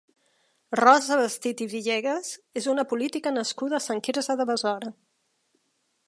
Rosa Vestit i Villegas és una política nascuda a Sant Quirze de Besora.